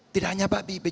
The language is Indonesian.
tidak hanya pak bibi